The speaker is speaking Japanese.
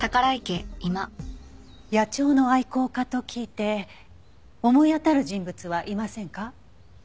野鳥の愛好家と聞いて思い当たる人物はいませんか？